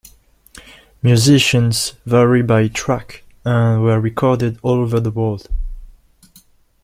Musicians vary by track, and were recorded all over the world.